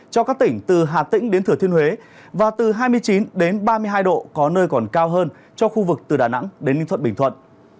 cho các tỉnh từ hà tĩnh đến thửa thiên huế và từ hai mươi chín đến ba mươi hai độ có nơi còn cao hơn cho khu vực từ đà nẵng đến ninh thuận bình thuận